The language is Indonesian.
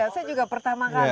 saya juga pertama kali